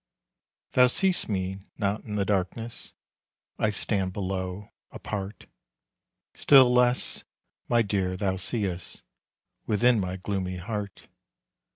Thou see'st me not in the darkness, I stand below, apart. Still less, my dear, thou seeest Within my gloomy heart.